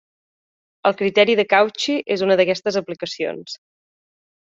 El criteri de Cauchy és una d'aquestes aplicacions.